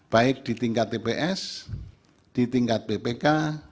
baik di tingkat tps di tingkat bpk